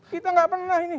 kita tidak pernah ini